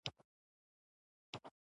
تاریخ د سولې او جګړې کيسه کوي.